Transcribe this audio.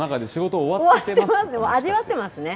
味わっていますね。